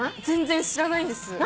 全然知らないんです。